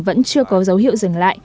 vẫn chưa có dấu hiệu dừng lại